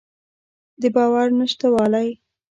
د باور نشتوالی.